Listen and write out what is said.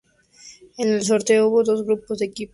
En el sorteo hubo dos grupos de equipos.